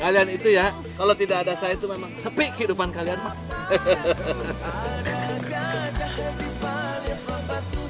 kalian itu ya kalau tidak ada saya itu memang sepi kehidupan kalian